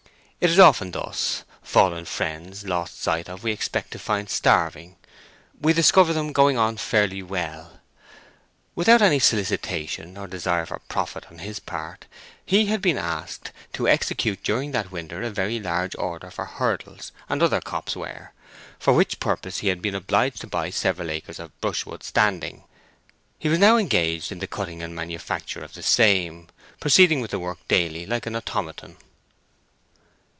It is often thus; fallen friends, lost sight of, we expect to find starving; we discover them going on fairly well. Without any solicitation, or desire for profit on his part, he had been asked to execute during that winter a very large order for hurdles and other copse ware, for which purpose he had been obliged to buy several acres of brushwood standing. He was now engaged in the cutting and manufacture of the same, proceeding with the work daily like an automaton.